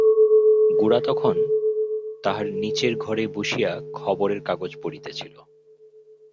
গোরা তখন তাহার নীচের ঘরে বসিয়া খবরের কাগজ পড়িতেছিল।